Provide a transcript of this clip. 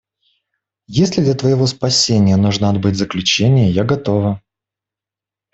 Если для твоего спасения нужно отбыть заключение, я готова.